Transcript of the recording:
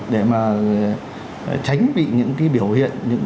để mà tránh bị những cái biểu hiện những